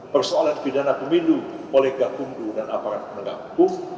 persoalan pidana pemilu oleh gakumdu dan aparat penegak hukum